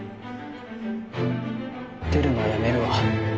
出るのやめるわ。